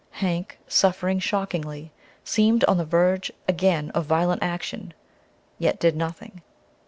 Hank, suffering shockingly, seemed on the verge again of violent action; yet did nothing.